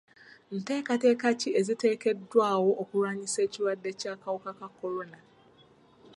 Nteekateeka ki eziteekeddwawo okulwanyisa ekirwadde ky'akawuka ka kolona?